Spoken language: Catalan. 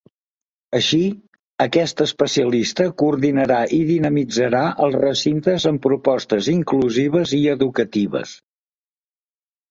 Així, aquest especialista coordinarà i dinamitzarà els recintes amb propostes inclusives i educatives.